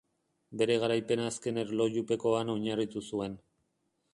Bere garaipena azken erlojupekoan oinarritu zuen.